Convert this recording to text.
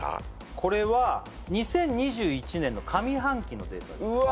これは２０２１年の上半期のデータですうわ